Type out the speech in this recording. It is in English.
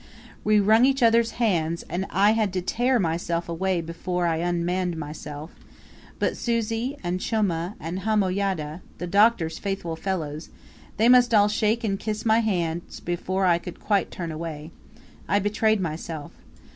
We wrung each other's hands, and I had to tear myself away before I unmanned myself; but Susi, and Chumah, and Hamoydah the Doctor's faithful fellows they must all shake and kiss my hands before I could quite turn away. I betrayed myself!